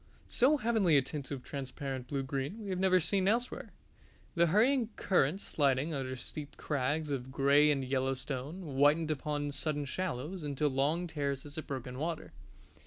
So heavenly a tint of transparent blue green we have never seen elsewhere, the hurrying current sliding under steep crags of gray and yellow stone, whitened upon sudden shallows into long terraces of broken water.